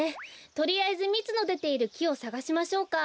とりあえずみつのでているきをさがしましょうか。